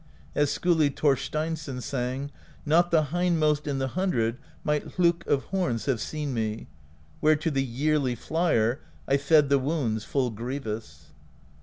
As Skuli Thorsteinsson sang: Not the hindmost in the hundred Might Hlokk of horns have seen me, Where to the Yearly Flier I fed the wounds full grievous.